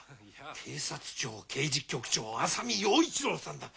警察庁刑事局長浅見陽一郎さんだ！